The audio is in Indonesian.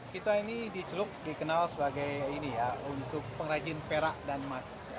kita ini di celup dikenal sebagai ini ya untuk pengrajin perak dan emas